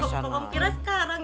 kocok kom kira sekarang